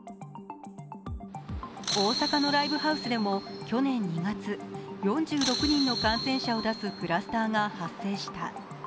大阪のライブハウスでも去年２月４６人の感染者を出すクラスターが発生した。